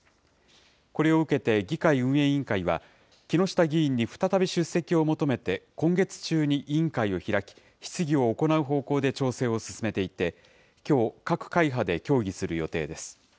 これを受けて議会運営委員会は、木下議員に再び出席を求めて、今月中に委員会を開き、質疑を行う方向で調整を進めていて、きょう、各会派で協議する予定です。